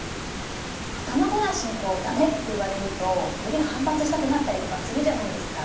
頭ごなしにだめって言われるとより反発したくなったりとかするじゃないですか。